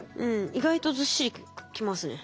意外とずっしりきますね。